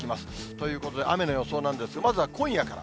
ということで、雨の予想なんですが、まずは今夜から。